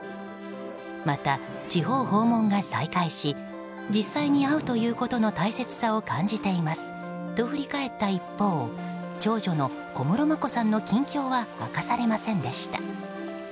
また、地方訪問が再開し実際に会うということの大切さを感じていますと振り返った一方長女の小室眞子さんの近況は明かされませんでした。